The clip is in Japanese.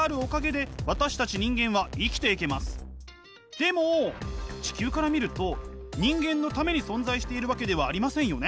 でも地球から見ると人間のために存在しているわけではありませんよね？